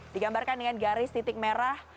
digambarkan dengan garis titik merah